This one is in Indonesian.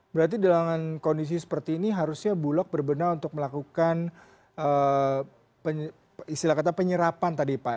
berarti dalam kondisi seperti ini harusnya bulog berbenah untuk melakukan istilah kata penyerapan tadi pak